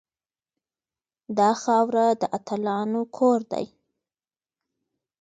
دا خاوره د اتلانو کور دی